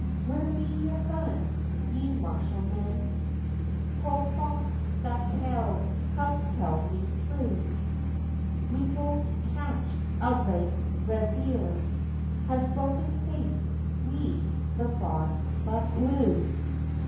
"Where be ye gaun, ye marshal men?" Quo fause Sakelde; "come tell me true!" "We go to catch a rank reiver, Has broken faith wi the bauld Buccleuch."